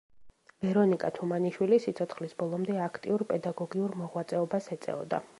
ვერონიკა თუმანიშვილი სიცოცხლის ბოლომდე აქტიურ პედაგოგიურ მოღვაწეობას ეწეოდა.